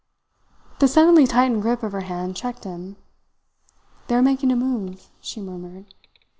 The suddenly tightened grip of her hand checked him. "They are making a move," she murmured.